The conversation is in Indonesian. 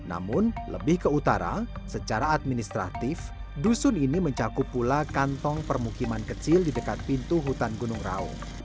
namun lebih ke utara secara administratif dusun ini mencakup pula kantong permukiman kecil di dekat pintu hutan gunung raung